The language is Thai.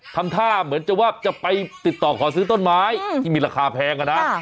ทำท่าเหมือนจะว่าจะไปติดต่อขอซื้อต้นไม้ที่มีราคาแพงนะ